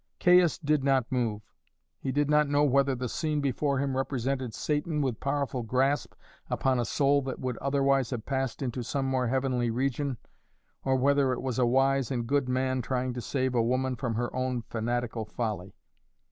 Caius did not move; he did not know whether the scene before him represented Satan with powerful grasp upon a soul that would otherwise have passed into some more heavenly region, or whether it was a wise and good man trying to save a woman from her own fanatical folly.